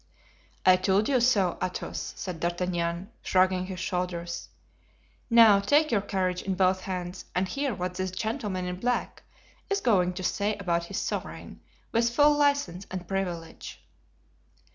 "I told you so, Athos," said D'Artagnan, shrugging his shoulders. "Now take your courage in both hands and hear what this gentleman in black is going to say about his sovereign, with full license and privilege."